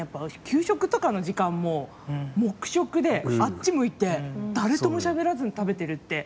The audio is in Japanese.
給食とかの時間も黙食であっち向いて誰ともしゃべらずに食べてるって。